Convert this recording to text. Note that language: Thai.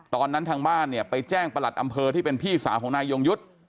ทางบ้านเนี่ยไปแจ้งประหลัดอำเภอที่เป็นพี่สาวของนายยงยุทธ์